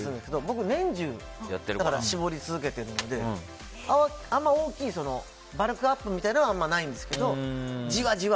僕、年中、絞り続けてるのであんま大きいバルクアップみたいなのはないんですけどじわじわ。